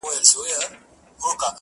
تاسي ځئ ما مي قسمت ته ځان سپارلی-